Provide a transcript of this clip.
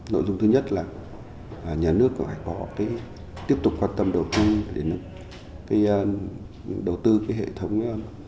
nội dung thứ nhất là nhà nước phải có cái tiếp tục quan tâm đầu tư đến cái đầu tư cái hệ thống